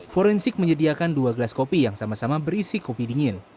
forensik menyediakan dua gelas kopi yang sama sama berisi kopi dingin